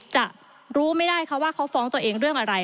จะรู้ไม่ได้ค่ะว่าเขาฟ้องตัวเองเรื่องอะไร